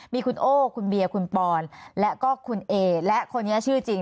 มีคุณโอ้คุณเบียร์คุณปอนและก็คุณเอและคนนี้ชื่อจริง